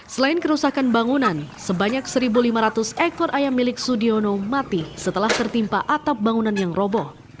selain kerusakan bangunan sebanyak satu lima ratus ekor ayam milik sudiono mati setelah tertimpa atap bangunan yang roboh